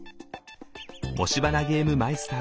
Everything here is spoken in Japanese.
“もしバナ”ゲームマイスター